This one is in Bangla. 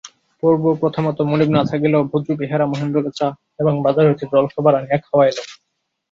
পূর্বপ্রথামত মনিব না থাকিলেও ভজু বেহারা মহেন্দ্রকে চা এবং বাজার হইতে জলখাবার আনিয়া খাওয়াইল।